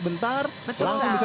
di warung sebelah